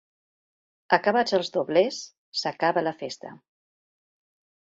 Acabats els doblers, s'acaba la festa.